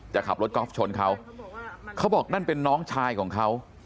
จะขับรถกอล์ฟชนเขาเขาบอกนั่นเป็นน้องชายของเขา